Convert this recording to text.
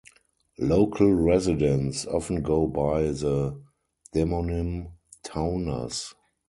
Local residents often go by the demonym Towners.